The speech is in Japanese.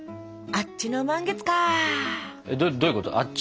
あっちの満月？